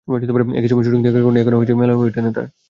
একই সময়ে শুটিং থাকার কারণে এখনো সময় মেলানো হয়ে ওঠেনি তাঁর।